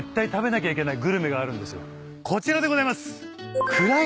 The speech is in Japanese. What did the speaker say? こちらでございます。